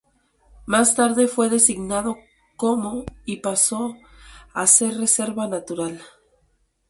Más tarde fue designado como y pasó a ser reserva natural.